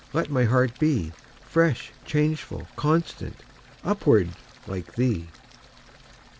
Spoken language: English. Let my heart be Fresh, changeful, constant, Upward, like thee!